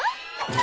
あ！